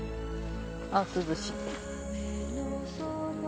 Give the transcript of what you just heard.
あっ涼しい。